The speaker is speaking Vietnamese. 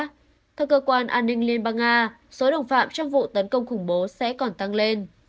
theo cơ quan an ninh liên bang nga số đồng phạm trong vụ tấn công khủng bố sẽ còn tăng lên